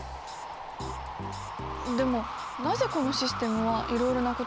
でもなぜこのシステムはいろいろなことができるんですかね？